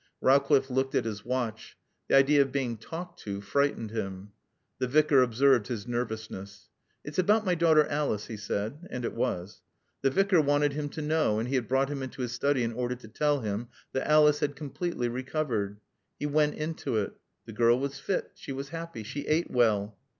Rowcliffe looked at his watch. The idea of being talked to frightened him. The Vicar observed his nervousness. "It's about my daughter Alice," he said. And it was. The Vicar wanted him to know and he had brought him into his study in order to tell him that Alice had completely recovered. He went into it. The girl was fit. She was happy. She ate well.